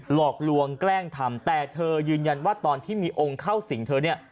หลอกลวงแกล้งทำแต่เธอยืนยันว่าตอนที่มีองค์เข้าสิงเธอเนี่ย